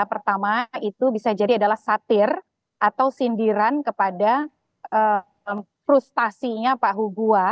pertama itu bisa jadi adalah satir atau sindiran kepada frustasinya pak hugua